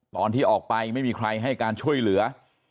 ตอนที่ออกไปไม่มีใครให้การช่วยเหลือ